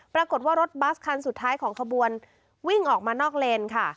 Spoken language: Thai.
ปรากฏว่ารถบัสคันสุดท้ายของขบวนวิ่งออกมานอกเลนค่ะ